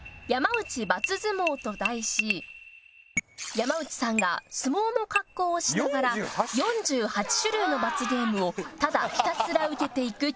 「山内さんが相撲の格好をしながら４８種類の罰ゲームをただひたすら受けていく企画」